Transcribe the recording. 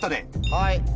はい。